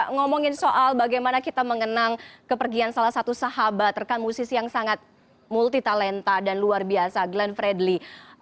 ngomongin soal bagaimana kita mengenang kepergian salah satu sahabat rekan musisi yang sangat multi talenta dan luar biasa glenn fredly